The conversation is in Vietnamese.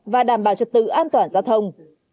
và đảm bảo trật tự an toàn giao thông